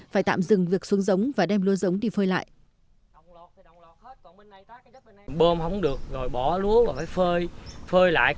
phải tạm dừng việc xuống giống và đem lúa giống đi phơi lại